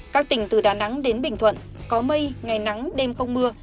các tỉnh từ đà nẵng đến bình thuận có mây ngày nắng đêm không mưa